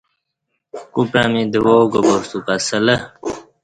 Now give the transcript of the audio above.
کوپعمی دواک پرستوک اسہ لہ